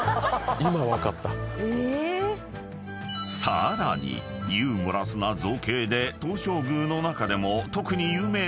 ［さらにユーモラスな造形で東照宮の中でも特に有名な］